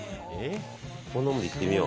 こんなもんでいってみよう。